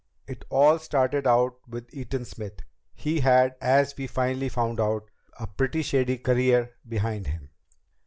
"It all started out with Eaton Smith. He had, as we finally found out, a pretty shady career behind him.